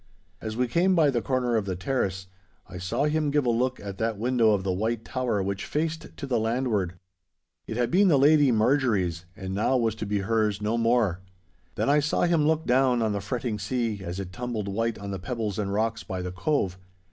As we came by the corner of the terrace, I saw him give a look at that window of the White Tower which faced to the landward. It had been the Lady Marjorie's, and now was to be hers no more. Then I saw him look down on the fretting sea, as it tumbled white on the pebbles and rocks by the Cove.